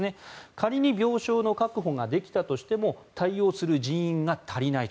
仮に病床の確保ができたとしても対応する人員が足りないと。